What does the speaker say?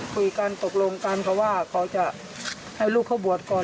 คุยกันตกลงกันเขาว่าเขาจะให้ลูกเขาบวชก่อน